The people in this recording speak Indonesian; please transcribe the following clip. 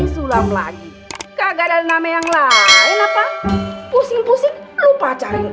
sulam lagi kak gak ada nama yang lain apa pusing pusing lupa cari